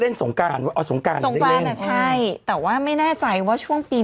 เล่นสงกรานเอาสงกรานสงกรานอ่ะใช่แต่ว่าไม่แน่ตายว่าช่วงปี